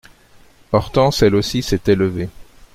Hortense, elle aussi, s'était levée.